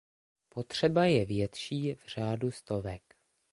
Potřeba je větší v řádu stovek.